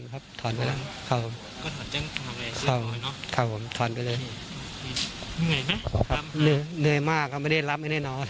เหนื่อยมากไม่ได้รับไม่ได้น้อง